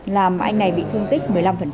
làm anh này bị thương tích một mươi năm